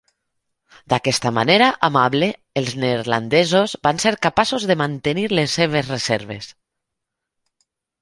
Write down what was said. D'aquesta manera amable els neerlandesos van ser capaços de mantenir les seves reserves.